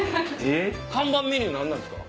看板メニュー何なんですか？